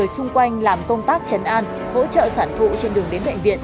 xong chén rồi